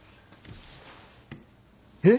えっ？